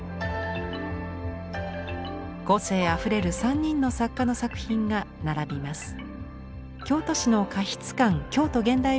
個性あふれる３人の作家の作品が並びます。